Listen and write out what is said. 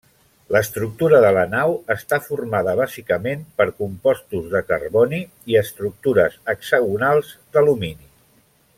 L'estructura de la nau està formada bàsicament per compostos de carboni i estructures hexagonals d'alumini.